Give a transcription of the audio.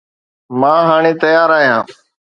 مان هاڻي تيار آهيان